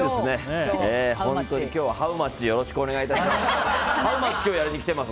本当に、今日はハウマッチよろしくお願い致します。